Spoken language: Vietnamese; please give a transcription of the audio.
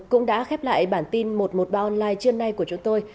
cũng đã khép lại bản tin một trăm một mươi ba online trưa nay của chúng tôi